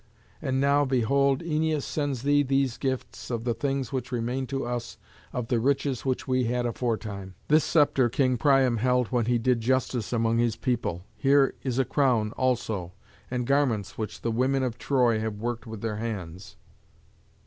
And now, behold, Æneas sends thee these gifts of the things which remain to us of the riches which we had aforetime. This sceptre King Priam held when he did justice among his people; here is a crown also, and garments which the women of Troy have worked with their hands."